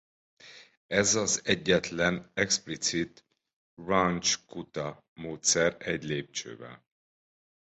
Ez az egyetlen explicit Runge–Kutta-módszer egy lépcsővel.